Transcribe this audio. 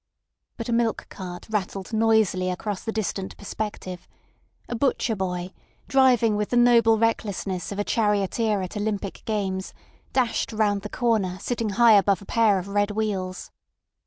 But a milk cart rattled noisily across the distant perspective; a butcher boy, driving with the noble recklessness of a charioteer at Olympic Games, dashed round the corner sitting high above a pair of red wheels.